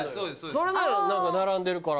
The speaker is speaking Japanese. それなら並んでるから。